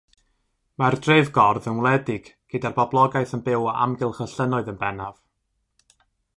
Mae'r drefgordd yn wledig gyda'r boblogaeth yn byw o amgylch y llynnoedd yn bennaf.